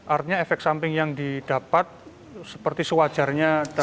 artinya efek samping yang didapat seperti sewajarnya dalam proses